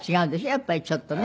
やっぱりちょっとね。